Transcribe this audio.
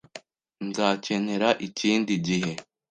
Nzakenera ikindi gihe.